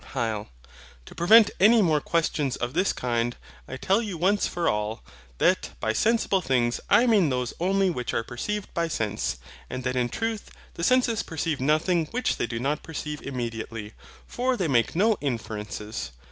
HYL. To prevent any more questions of this kind, I tell you once for all, that by SENSIBLE THINGS I mean those only which are perceived by sense; and that in truth the senses perceive nothing which they do not perceive IMMEDIATELY: for they make no inferences.